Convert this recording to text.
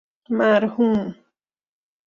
مرحوم